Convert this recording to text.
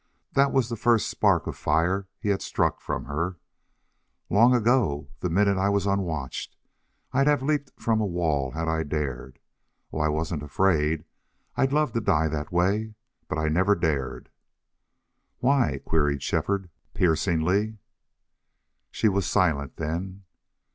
That was the first spark of fire he had struck from her. "Long ago, the minute I was unwatched, I'd have leaped from a wall had I dared. Oh, I wasn't afraid. I'd love to die that way. But I never dared." "Why?" queried Shefford, piercingly. She was silent then.